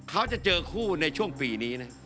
เขาจะเจอคู่ในช่วงปีนี้นะ